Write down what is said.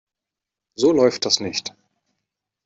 So läuft das nicht.